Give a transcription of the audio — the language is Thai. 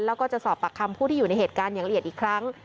แล้วก็จะสอบปากคำผู้ที่อยู่ในเหตุการณ์อย่างละเอียดอีกครั้ง